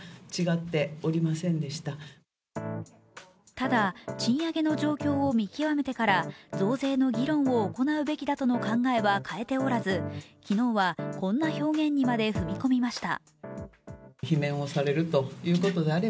ただ、賃上げの状況を見極めてから増税の議論を行うべきだとの考えは変えておらず、昨日はこんな表現にまで踏み込みました。